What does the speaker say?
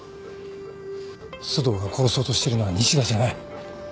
須藤が殺そうとしてるのは西田じゃない。